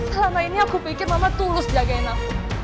selama ini aku pikir mama tulus jaga enak